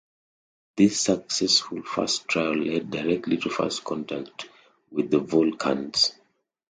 This successful first trial led directly to first contact with the Vulcans.